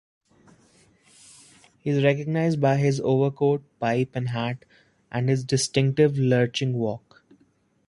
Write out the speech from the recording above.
He is recognized by his overcoat, pipe and hat, and his distinctive lurching walk.